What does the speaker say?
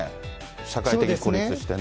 社会的に孤立してね。